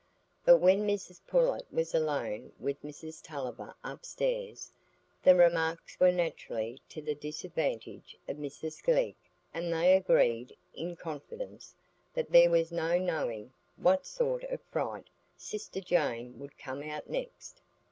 But when Mrs Pullet was alone with Mrs Tulliver upstairs, the remarks were naturally to the disadvantage of Mrs Glegg, and they agreed, in confidence, that there was no knowing what sort of fright sister Jane would come out next.